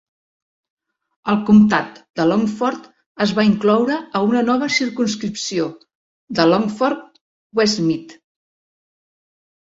El comtat de Longford es va incloure a una nova circumscripció de Longford-Westmeath.